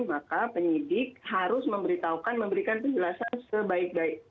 maka penyidik harus memberitahukan memberikan penjelasan sebaik baik